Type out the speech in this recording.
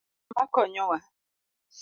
Onge ng'ama konyo waa